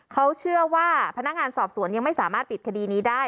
เขาเชื่อว่าพนักงานสอบสวนยังไม่สามารถปิดคดีนี้ได้